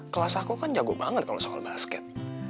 kelas aku kan jago banget kalau soal basket